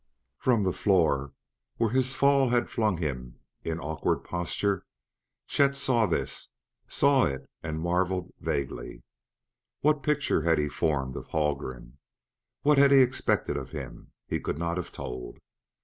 From the floor, where his fall had flung him in awkward posture, Chet saw this; saw it and marveled vaguely. What picture he had formed of Haldgren what he had expected of him he could not have told.